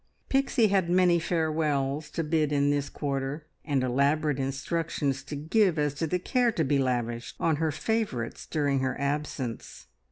Pixie had many farewells to bid in this quarter, and elaborate instructions to give as to the care to be lavished on her favourites during her absence.